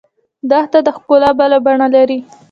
دښته د ښکلا بله بڼه لري.